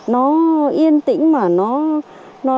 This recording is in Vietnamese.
nó yên tĩnh mà nó